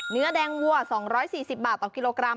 เนื้อแดงวัว๒๔๐บาทต่อกิโลกรัม